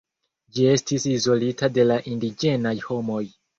Ĝi estis izolita de la indiĝenaj homoj.